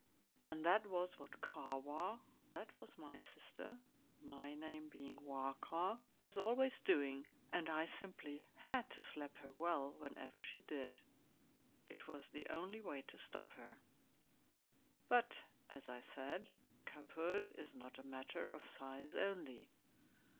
And that was what Kahwa that was my sister, my name being Wahka was always doing, and I simply had to slap her well whenever she did. It was the only way to stop her. But, as I said, cubhood is not a matter of size only.